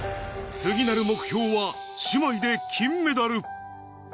次なる目標は、姉妹で金メダル。